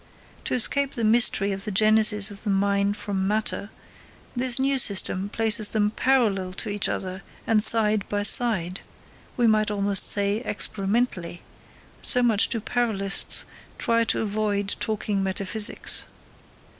To escape the mystery of the genesis of the mind from matter, this new system places them parallel to each other and side by side, we might almost say experimentally, so much do parallelists try to avoid talking metaphysics.